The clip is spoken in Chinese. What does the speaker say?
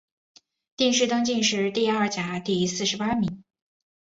殿试登进士第二甲第四十八名。